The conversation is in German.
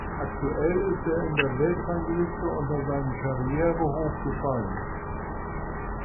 Aktuell ist er in der Weltrangliste unter sein Karrierehoch gefallen.